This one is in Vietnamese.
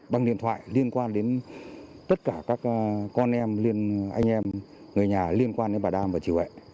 bằng điện thoại liên quan đến tất cả các con em anh em người nhà liên quan đến bà đam và chịu hệ